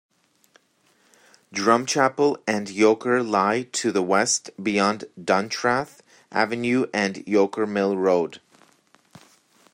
Drumchapel and Yoker lie to the West, beyond Duntreath Avenue and Yoker Mill Road.